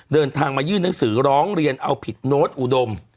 เดินทางมายื่นหนังสือร้องเรียนเอาผิดโน้ตอุดม